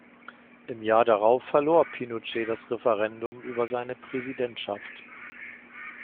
Im Jahr darauf verlor Pinochet das Referendum über seine Präsidentschaft.